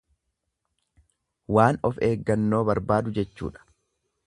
Waan of eegannoo barbaadu jechuudha.